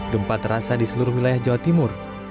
gempa terasa di seluruh wilayah jawa timur